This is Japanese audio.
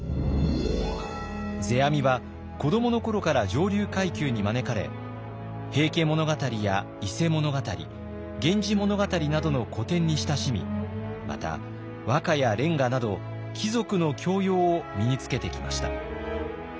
世阿弥は子どものころから上流階級に招かれ「平家物語」や「伊勢物語」「源氏物語」などの古典に親しみまた和歌や連歌など貴族の教養を身につけてきました。